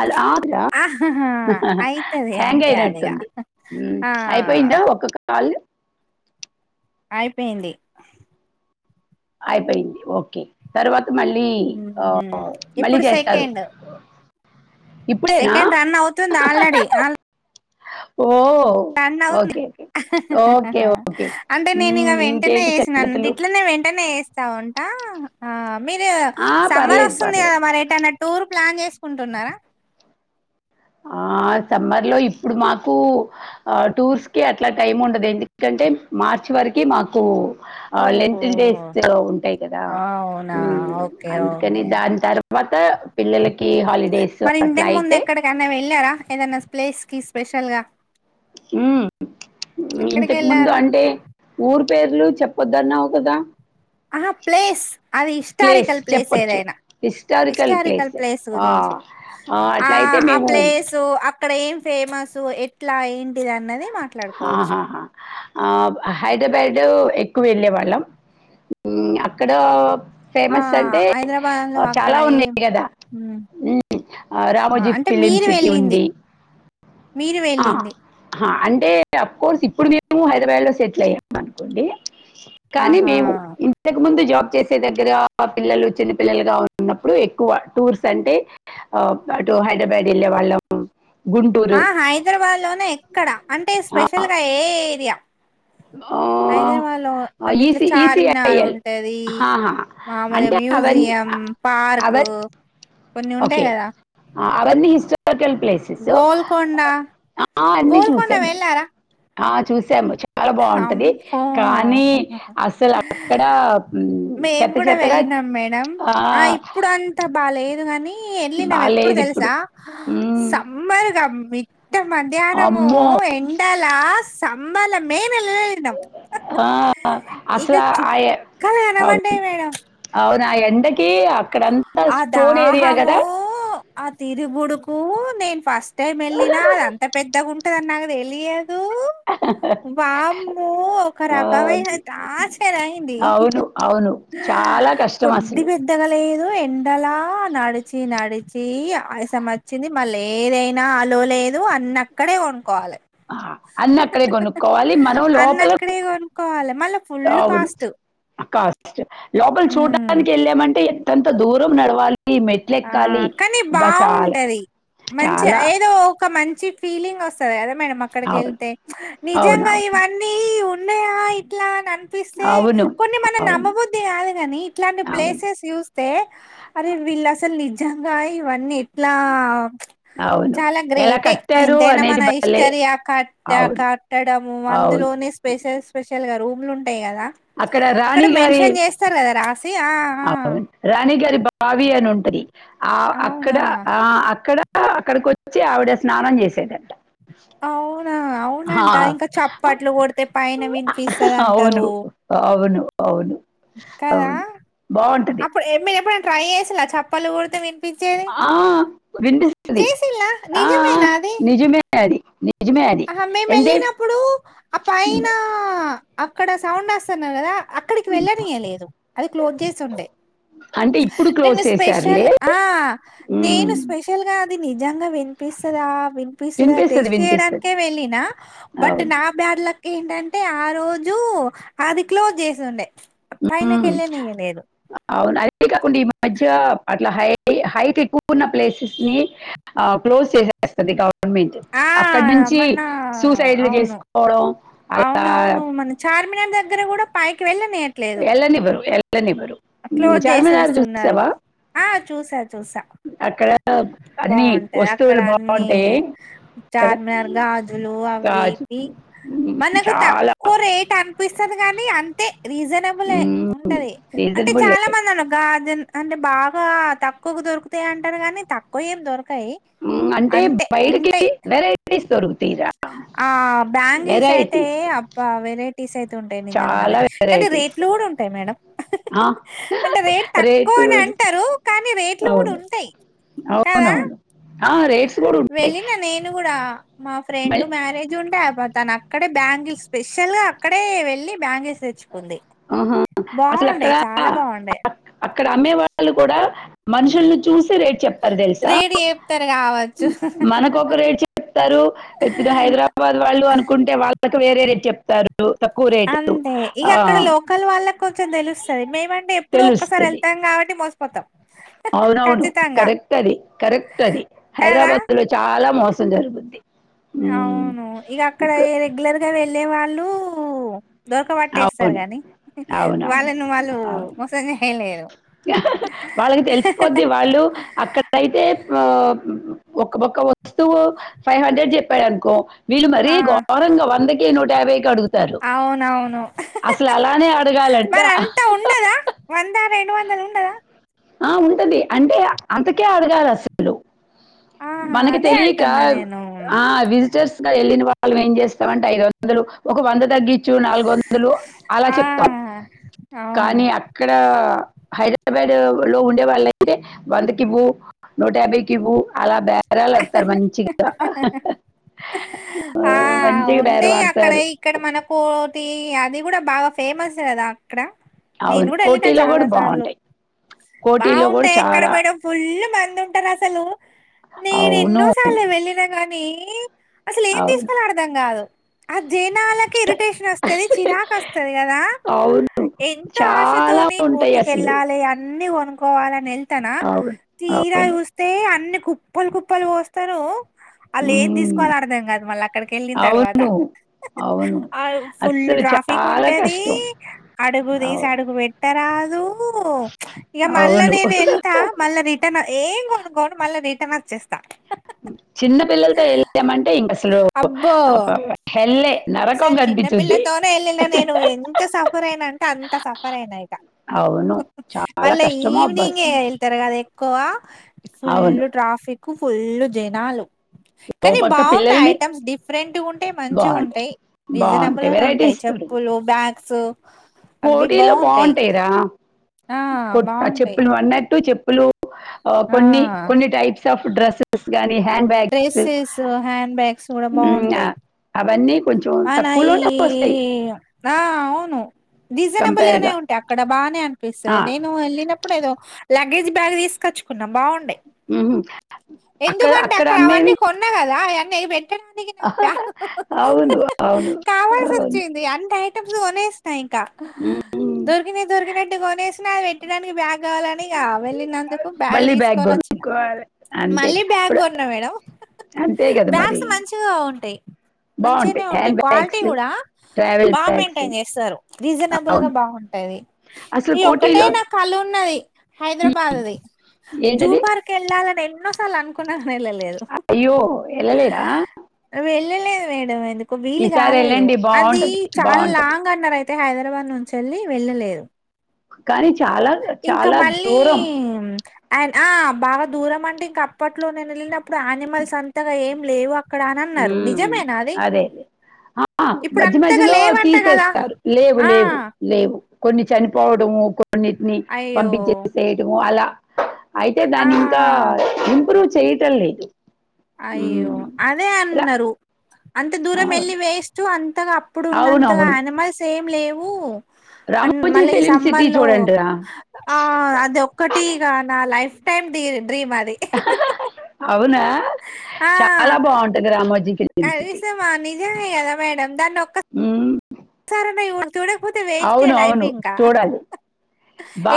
ఆ ఆహాహా! అయితది హ్యాంగ్ అంతే అదిగా. అయినట్టుంది ఆ! అయిపోయింది ఇంట ఒక కాల్ అయిపోయింది అయిపోయింది ఓకే తర్వాత మళ్ళీ ఆ హ్మ్. మళ్ళీ ఇప్పుడు చేస్తారు సెకండ్. ఇప్పుడేనా సెకండ్ రన్ అవుతుంది ఆల్రెడీ. ఆల్ ఓ రన్ అవుతుంది. ఓకే ఓకే ఓకే ఓకే అంటే నేను ఇక మ్మ్, వెంటనే ఇంకేంటి వేసిన సంగతులు వెంటనే వ వస్తా ఉంటా మీరు ఆ సమ్మర్ పర్లేదు వస్తుంది కదా పర్లేదు మరి ఏటైనా టూర్ ప్లాన్ చేసుకుంటున్నారా ఆ ఆ సమ్మర్లో ఇప్పుడు మాకు టూర్సకి అట్లా టైం ఉండదు. ఎందుకంటే మార్ చ్చి వరకి మాకు ఆ ఓహో! లేంతిల్ డేస్ తే ఉంటాయ్ కదా అవునా! ఉహ్ ఓకే. అందుకని ఓకే. దాని తరవ్ వాటా పిల్లలకి హాలిడేస్ అట్లా అయితే ఏళ్ళారా ఏదన్నా స్ప్లెస్కి స్పెషల్గా ఉహ్ ఇంతకు ముందు ఎక్కడికెళ్లారు? అంటే ఊర్ పేర్లు చెప్పొద్ అన్నావు కదా ఆహా ప్లేస్ అది హిష్టారికల్ ప్లేస్ ఏదైన్నా హిస్టారికల్ ప్లేస్ గురించి ఆ అట్లయితే ఆ మేము ప్లేసు అప్ అక్కడ ఏం ఫేమస్ ఎట్లా ఏంటిది అన్నది మాక్ హాహహ్ ఆప్ హైడ్రాబాడూ ఎక్కువ ఏళ్ళేవాళ్ళం ఉమ్ అక్కడ ఆ ఫేమస్ అంటే హైదరాబాద్ లో అక్కడ చాలా ఏం ఉన్నాయ్ గదా ఉమ్, ఉహ్మ్ ఆ రామోజీ అంటే ఫిలిం మీరు సిటీ వెళ్ళింది ఉంది. మీరు వెళ్ళింది. తాప్ కోర్స్ ఇప్పుడు మేము హైద్రాబాద్ లో సెట్లైమ్ అనుకోండి. కానీ ఆహా మేము ఇంతకు ముందు జాబ్ చేసే దగ్గర మా పిల్లలు చిన్నపిల్లలుగా ఉన్నప్పుడు ఎక్కువ టూర్స్ అంటే అప్ అటు హైడ్రబాద్ ఏళ్ళే వాళ్ళం. గుంటూరు ఆ హైద్రాబాద్ లోనే ఎక్కడ అంటే ఆ, స్పెషల్గా ఏ ఏరియా. ఆ, హైదరాబాద్ లో అంటే ఇట్లా ఈసీ చార్మినార్ ఈసీఐఎల్ ఉంటది. మామూలుగా అంటే అవన్నీ మ్యూజియం పార్కు అవ కొన్ని ఉంటాయ్ గదా. ఆ అవన్నీ హిస్టారికల్ ప్లేసెసు, గోల్కొండ ఆ అన్నీ గోల్కొండ చూసము. వెళ్ళారా ఆ చూసాము చే చాలా బావుంటది. అమ్మో కానీ అసలు అక్కడ ఉమ్ చెత్త చెత్తగా నం మేడం ఆ ఇప్పుడు అంతా బాలేవ్ వన్ని ఏళ్ళినము ఎప్పుడు బాలేదు ఇప్పుడు తెలుసా మ్, సమ్మరగా మీట్ ట మధ్యానము అమ్మో ఎండలా సబలా మేమ్ ఎలాలేల్ ఆ అసలా ఆయా చుక్కలు అవును కనబడ్డాయి అవత్ సాయ్ ఎండగ్ అ కదా దాహము ఆ తిరుగుడుక్ ఊ నేన్ ఫస్ట్ టైం ఏళ్ళిన్నా అద్ అంత పెద్దగా ఉంటంది నాగ్ దేలియదు. వామ్మో ఒక ఆ, రకమైన టార్చెర్ అయింది. అవును అవును చాలా కష్టం అసలు ఏదో ఎండలా నడిచి నడిచ్ హి ఆయాసం వచ్చింది. మళ్ళ ఏదైనా ఆలో లేదు అన్న అక్కడే కొనుక్కోవాలే. ఆ అన్ అక్కడే గొనుక్కోవాలి మనం లోపలకు అన్నక్కడే కొనుక్కోవాలె. మళ్ళా ఫుల్ అవును కాస్ట్. కాస్ట్ లోపల హ్మ్. చూడడానికి ఏళ్ళామంటే ఎట్ తంతా దూరం నడవాల్ ఆ కానీ చాలా బావుంటది. మంచా చాలా ఏదో ఒక మన్ చి ఫీలింగ్ వసది గదా మనమ్ అక్కడి అవును కెళ్తే నిజగా అవునవును ఇవన్నిఇవ్ నయా ఇట్లా అన్నన్ ఇపిసే అవును కొన్ని మనం అవును నమబుద్ది గాదు గానీ ఇట్లాంటి అవును ప్లేసెస్ చూస్తే అరే వీలాస్ లీజంగా ఇవన్నీ ఎట్లా అవును చాలా ఎలా గ్రేటే కట్టారు ఎంతైనా అనేది మన భలే హిస్టరీ ఆ కట్ట అవును కట్టడము అవును అందులోనే స్పెషల్ స్పెషల్గా రూ అక్కడ రాణి గారి మెన్షన్ చేస్తారు కదా రాసి ఆ రాణి గారి బ ఆవి అని ఉంటది ఆ అక్కడ ఆ అక్కడ కా! అక్కడిక వచ్చి, ఆవిడ స్నానం చేసేదంట. అవునా? అవునంట. ఇంకా, ఆ, చప్పట్లు కొడితే పైన వినిపిస్తది అవును అంటారు. అవును అవును హ్మ్, కదా? అవును బాగుంటది అప్పుడు ఏమీ ఎప్పుడంటే. ట్రై చేశిల? చప్పలు గొడితే విన్న. ఆ! వినిపిస్తది. చేసిలా ఆ! నిజమే అది. నిజమే అది అహా, మేము అంటే వెళ్లినప్పుడు ఆ పైన. అక్కడ సౌండ్ వస్తున్నారు కదా? అక్కడికి వెళ్లానీయలేదు. అది క్లోజ్ చేసి ఉండే. అంటే ఇప్పుడు క్లోజ్ నేను స్పెషల్, చేశారులే ఆ హ్మ్ నేను స్పెషల్గా. ది, నిజంగా వినిపిస్తదా? వినిపిస్తదా వినిపిస్తది టెస్ట్ వినిపిస్తది చేయడానికే వెళ్లిన? బట్ అవును నా బ్యాడ్ లక్. ఏంటంటే ఆ రోజు, అది క్లోజ్ జేసిండే. పైనాకీ, వెళ్ల నీయలేదు? ఇకా కుండీ, మధ్య అట్లా హై. హైట్ ఎక్కువున ప్లేసెస్ ని, ఆ క్లోజ్ చేసేస్తది గా. గోర్నమెంట్, ఆ అక్కడ నుంచి మన సూసైడ్లు అవును చేసుకోవడం అలా. ఆర్మీ నమ్ దగ్గర, గుడా పైకి వెళ్ల [unintelligible] ఎలా నివారూ? ఆటల, క్లోజ్ జేసేస్తున్నారు. ఆ! చూసా, చూసా. అక్కడ అన్ని బాఉంటది అక్కడ. వస్తువులు అన్ని బాగుంటాయి కదా చార్మినార్ గాజులు అవి. గాజు వి, ఉమ్, మనకు చాలా తక్కువ రేట్ అనిపిస్తది గానీ అంతే. రీజనబులే ఉంటది. అంటే రీజనబుల్ చాలా మంది అనమె. గాజేన్. అంటే బాగా తక్కువ దొరుకుతాయి అంటారు, గానీ తక్కువ ఏం దొరకకవ. కై, అంటే అంతే బయటకి ఉంటాయి. వెరైటీస్ దొరుకుతాయిరా ఆ బ్యాంగిల్స్ అయితే, వెరైటీస్ అబ్బా! వెరైటీస్ అయితే. టుంటాయి, నిజంగానే. చాలా కానీ వెరైటీస్ రేట్లు గూడా ఉంటాయి మేడం! హాహాహా, అంటే రేట్ తక్కువ రేట్స్ అని అంటారు, కానీ రేట్లు గూడా అవును ఉంటాయి. కదా అవునవును. ఆ, రేట్స్ గుడా ఉంటాయి. వెళ్ళిన నేను కూడా మా ఫ్రెండ్, మళ్ళీ- మ్యారేజ్ ఉండే. అప తన అక్కడే బ్యాంగిల్ స్పెషల్ గా, అక్కడే వెళ్లి బ్యాంగిల్స్. తెచ్చుకుంది. ఆహా. బౌండాయే చాలా బౌండాయే. ఇక్కడ అమ్మే వాళ్లు కూడా, మనుషుల్ని చూసి. రేట్ చెప్తారు తెలుసా? రేటు చెప్తారు కావచ్చు మనకు ఒక రేట్ చెప్తారు. ఇప్పుడు హైద. హైదరాబాద్ వాళ్లు అనుకుంటే, వాళ్లకి వేరే రేట్ చెప్తారు. తక్కువ రేటు. అంతే ఇక ఆ, అక్కడ, లోకల్ వాళ్లకి కొంచెం తెలుస్తది. మేముంటే, ఎప్పుడో ఒక్కసారి తెలుస్తుంది వెళ్తాం కాబట్టి మోసిపోతాం. అవునవును. ఖచ్చితంగా కరెక్ట్ అది, కరెక్ట్ అది. కదా హైదరాబాద్ లో చాలా మోసం. తున జరుగుది. అవును, ఇక అక్కడ ఎ రెగ్యులర్గా వెళ్లే వాళ్లు. దూరక పట్టేస్తారు అవును గానీ, అవునవును వాళ్లను వాళ్లు మోసం చేయలేరు. హాహాహా, వాళ్లకి తెలిసిపోద్ది. వాళ్లు అక్కడైతే పో. ఒక్క బోక్క వస్తువు, ఫైవ్ హండ్రెడ్ చెప్పాడునుకో. వీళ్లు మరీ ఆ ఘోరంగా, వందకి నూటయాభైకి అడుగుతారు. అసలు హాహాహా, అలానే అడగాలంట మరి అంతా ఉండదా? వంద, రెండు వందలు ఉండదా? ఆ ఉంటది. అంటే అంతకే అడగాలి అసలు. ఆహా మనకి అదే తెలిక, అంటున్నా నేను ఆ విజటర్స్. వెళ్లిన వాళ్లు ఏం చేస్తామంటే. ఐదు వందలు, ఒక వంద తగ్గి. చూడ నాలుగు వందలు, అలా ఆ చెప్తాం. అవును కానీ అక్కడ. హైదరాబాడ్ లో ఉండే వాళ్లయితే. వందకి ఇవ్వు నూటయాభైకి ఇవ్వు అలా బేరం. అహ్ హా, హా హా హా హా. ఆ మంచిగా బేరం ఉంటాయి. అక్కడ, ఆడతారు ఇక్కడ మనకో. టి అది గూడా బాగా ఫేమస్ కదా అక్కడ? నేను అవును గూడా వెళ్లిన, కోటీలో చాలా కూడా సార్లు. బాగుంటాయి కోటీలో కూడా బాఉంటయి, ఎక్కడ చాలా మేడమ్ ఫుల్ మాన. అంటారు అసలు నేను అవును ఎన్నో సార్లు వెళ్ళినా గానీ అసలు ఏం అవును తీసుకోవాలో అర్ధం కాదు అ జనాలకి ఇరిటేషన్ వస్తుంది చిరాకు వస్తుంది కదా అవును ఎంత చాలా ఆశతోని ఉంటాయి అసలు. కోటికిళ్ళాలి అన్నీ అనుకోవాలని వెళ్తానా అవును. తీరా అవును. చూస్తే అన్ని కుప్పలు కుప్పలు పోస్తారు అళ్ళు ఏది హ్మ్. తీసుకోవాలో అర్దాం కదా మళ్ళీ అక్కడికి వెళ్ళిన తర్వాత అవును. అవును ఆ ఫుల్ అస్సలు ట్రాఫిక్ చాలా ఉంటది కష్టం. అడుగు తీసి అవును. అడుగు పెట్టారా ఇక మళ్ళ అవును. నేన్ వెళ్తా మళ్ళ రిటర్న్ ఏంగ్ంకోను మళ్ళ రిటర్న్ వచేస్తా చిన్న పిల్లలతో వెళ్ళామంటే ఇంక అసలు అబ్బో హెల్లే నరకం కనిపించద్ది నే వెళ్ళిన నేను ఎంత సఫర్ అయినా అంటే అంత సఫర్ అయినా ఇక అవును. చాలా మళ్ళా కష్టమో అబ్బా ఈవనింగ్ ఏ అసలు. వెల్తరూ గదా అదే ఎక్కువ అవును. ఫుల్లు ట్రాఫిక్ ఫుల్లు జనాలు ఓ కానీ పక్క బాగుంటాయి పిల్లల్ని ఐటమ్స్ డిఫరెంట్ ఉంటాయి మంచిగా బావుంటాయి. ఉంటాయి రీజనబుల్ బావుంటాయి. నే ఉంటాయి వెరైటీస్ దొరుకు చెప్పులు బ్యాగ్స్ అవి కోటిలో బావుంటాయి. బాగుంటాయిరా ఆ! కొ బావుంటాయి. చెప్పులు నువ్వు అన్నట్టు చెప్పు లు ఆ! కొన్ని కొన్ని టైప్స్ ఆఫ్ డ్రెస్సెస్ గానీ హ డ్రెస్సెస్ హ్యాండ్ బ్యాగ్స్ కూడా బాగుంటాయి అవన్నీ కొంచెం అనయి తక్కువలోనే వస్తాయి నా అవును రీజనబుల్ కంపేర్ గానే గా ఉంటాయి అక్కడ బాగానే అనిపిస్తుంది ఆ, నేను వెళ్ళినప్పుడు ఏదో లగేజ్ బ్యాగ్ తీసుకచ్చుకున్నా బాగుండే ఉమ్. ఎందుకంటే అక్కడ అవన్నీ కొన్నా కదా అవన్నీ పెట్టడానికి నాకు బ్యాగ్ అవును అవును అవును కొనేసిన ఇంగా ఉమ్. దోరికినాయి దోరికినట్టు కొనేసిన అవి పెట్టడానికి బ్యాగ్ కావాలని వెళ్ళినందుకు బ్యాగ్ మళ్ళీ తీసుకొని వచ్చిన కొనుక్కోవాలి అంతే మళ్ళీ బ్యాగ్ ఇప్పుడు కొన్నా మేడం అంతే కదా మరి బ్యాగ్స్ మంచిగా ఉంటాయి మంచిగానే బాగుంటాయి ఉంటాయి హ్యాండ్ క్వాలిటీ బ్యాగ్స్ కూడా ట్రావెల్ బాగా బ్యాగ్స్ మెయింటైన్ చేస్తారు రీజనబుల్ గా అవును బాగుంటాది అసలు ఈ ఒక్కటే కోటీలో నా కల ఉన్నది హైదరాబాద్ది జూ ఏంటది పార్క్ వెళ్ళాలని ఎన్నోసార్లు అనుకుంట ఆహా వెళ్ళలేదు ఎల్లలేర వెళ్ళలేదు మేడం ఎందుకు వీలు కాలేదు వెళ్ళండి అది బాగుంటది చాలా బాగుంటది లాంగ్ అన్నారు అయితే అయితే హైదరాబాద్ నుంచి వెళ్ళి వెళ్ళలేదు కానీ చాలా చాలా దూరం అడ్ ఆ బాగా దూరం అంటే ఇంక అప్పట్లో నేను వెళ్ళినప్పుడు ఆనిమల్స్ అంతగా ఏం లేవు అక్కడ అని అన్నారు ఉమ్, నిజమేనా అది అదే ఆ ఇప్పుడు మధ్య అంతగా మధ్యలో లేవంట కదా తీసేస్తారు లేవు ఆ లేవు లేవు కొన్ని చనిపోవడము కొన్నిటిని అయ్యో పంపించేసేయడము అలా అయితే ఆ దాన్ని ఇంకా ఇంప్రూవ్ చేయటం లేదు అయ్యో ఉమ్. అదే రా- అన్నారు అంత దూరం వెళ్ళి వేస్ట్ అంతగా అప్పుడు ఉన్నంతగా అవునవును అనిమల్స్ ఏం లేవు అ రామోజీ మళ్ళీ ఈ ఫిలిం సిటీ సమ్మర్ లో చూడండి రా ఆ అది ఒక్కటి నా లైఫ్ టైమ్ డ డ్రీమ్ అది అవునా ఆ చాలా బాగుంటది రామోజీ ఫిలిం సిటీ కనీసం నిజమే కదా మేడం దాన ఒక్క ఉమ్. సరేన్న చూడకపోతే వేస్టే అవును లైఫ్ అవును ఇంకా చూడాలి.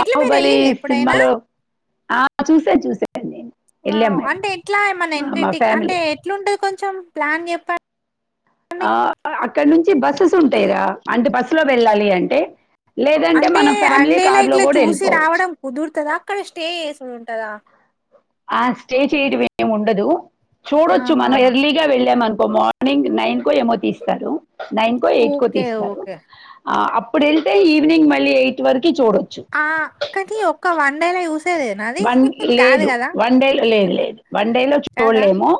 ఎట్లా మీరు ఎళ్ళిళ్ల ఎప్పుడైనా సినిమాలో ఆ! చూసా చూసాను నేను. ఎళ్ళాం వావ్ మేము. అంటే ఎట్లా మన ఆ! మా ఎంటేటిక్ అంటే ఫ్యామిలీ. ఎట్లుంటది కొంచెం ప్లాన్ చెప్ప ఆ, అక్కడ నుంచి బస్సెస్ ఉంటాయిరా. అంటే బస్సు లో వెళ్లాలి అంటే. లేదంటే అంటే, మన వన్ ఫ్యామిలీ డే కార్‌లో ఇట్లా గూడా చూసి ఎళ్ళిపోవచ్చు. రావడం కుదుర్తదా? అక్కడ, స్టే జేస. ఉ ఉంటందా? ఆ స్టే చేయడం, ఏమి ఉండదు. చూడొచ్చు ఆహా మనం ఎర్లీగా వెళ్లమన్. ఒ మార్నింగ్ నైన్ కో, ఏమో తీస్తారు. నైన్ కో, ఎయిట్ కో ఓకే. తీస్తారు. ఓకే. ఆప! ఇప్పుడు వెళ్తే, ఈవినింగ్ మళ్లీ ఎయిట్ వర్క. ఆ అక్కకి, ఒక్క వన్ డే లే జ్యూస్. వన్ లేదు, వన్ డేలో. లేదు, లేదు వన్ డేలో కదా! చూడలేము.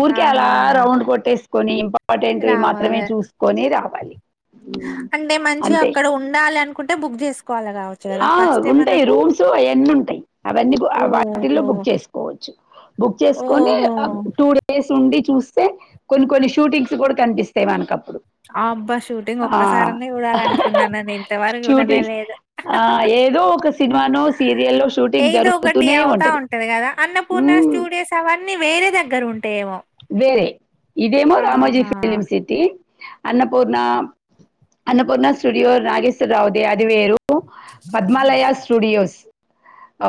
ఊరికే ఆహా! అలా రౌండ్ కొట్టేసుకొని, ఇంపార్. ఇంపార్టెంట్యి మాత్రమే రావాలే. చూసుకొని రావాలి. అంతే! టే, బుక్ జేస్. ఆ ఉంటాయి, రూమ్స్ అయన్నీ ఉంటాయి. అవన్నీ బుక్, ఆ ఓహో! వాటిల్లో బుక్ చేసుకోవచ్చు. బుక్ చేసుకొని, ఓహో! అబ టూ డేస్ ఉండి చూ. చూస్తే కొన్ని, కొన్ని షూటింగ్స్ కూడా కనిపిస్తాయి మన కప్పుడు. ఆ అబ్బా! షూటింగ్ ఒక్కసారన్నా చూడాల అనుకున్నా నా. నేన్ ఇంతవరకు చూడనే లేదు. ఆ ఏదో ఒక సినిమానో, సీరియల్లో షూటింగ్ ఏదో జరుగుతూనే ఉంటది. ఊ. ఆ స్టూడియోస్ అవన్నీ, వేరే దగ్గర ఉం. వేరే, ఇదేమో రామాజీ ఫిలిం ఆహా! సిటీ. అన్నపూర్ణ. అన్నపూర్ణ స్టూడియో నాగేశ్వరరావు ది అది వేరు. ఉ, పద్మాలయ స్టూడియోస్. ఆ.